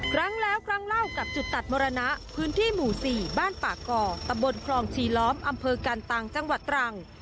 ครั้งแล้วครั้งเล่ากับจุดตัดมรณะพื้นที่หมู่๔บ้านป่าก่อตำบลคลองชีล้อมอำเภอกันตังจังหวัดตรัง